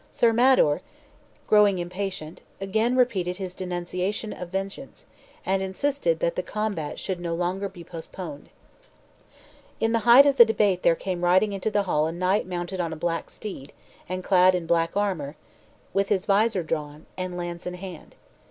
Sir Mador, growing impatient, again repeated his denunciations of vengeance, and insisted that the combat should no longer be postponed. In the height of the debate there came riding into the hall a knight mounted on a black steed, and clad in black armor, with his visor down, and lance in hand.